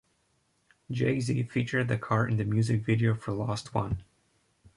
Jay-Z featured the car in the music video for "Lost One".